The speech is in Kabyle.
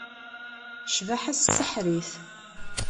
Cbaḥa-s tseḥḥer-it.